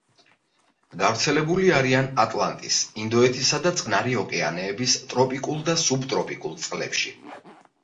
გავრცელებული არიან ატლანტის, ინდოეთისა და წყნარი ოკეანეების ტროპიკულ და სუბტროპიკულ წყლებში.